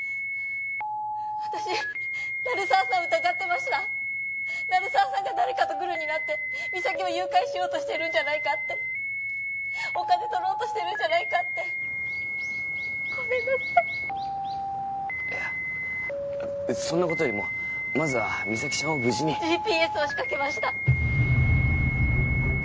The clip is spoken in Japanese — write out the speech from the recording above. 私鳴沢さんを疑ってました鳴沢さんが誰かとグルになって実咲を誘拐しようとしてるんじゃないかってお金取ろうとしてるんじゃないかって☎ごめんなさいいやそんなことよりもまずは実咲ちゃんを無事にＧＰＳを仕掛けました